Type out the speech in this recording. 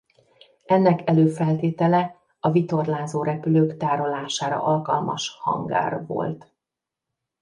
Ennek előfeltétele a vitorlázó repülők tárolására alkalmas hangár volt.